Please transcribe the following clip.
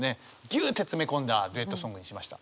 ぎゅって詰め込んだデュエットソングにしました。